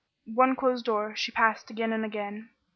One closed door she passed again and again.